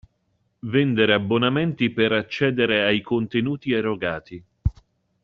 Vendere abbonamenti per accedere ai contenuti erogati.